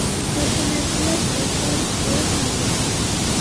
გაშენებულია სპენსერის ყურის ნაპირებზე.